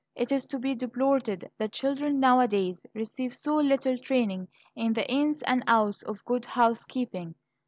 It is to be deplored that the children nowadays receive so little training in the ins and outs of good housekeeping.